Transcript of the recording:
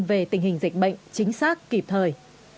về tình hình dịch bệnh chính xác kịp thời